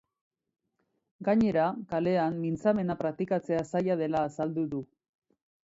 Gainera, kalean mintzamena praktikatzea zaila dela azaldu du.